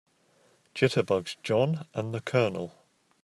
Jitterbugs JOHN and the COLONEL.